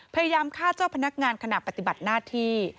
พยายามฆ่าเจ้าพนักงานขณะปฏิบัติหน้าที่